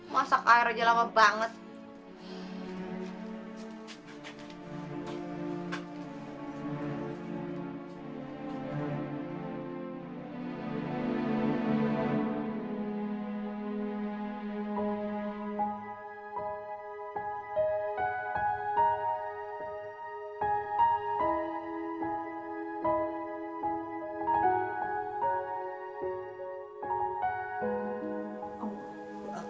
masak air aja lama banget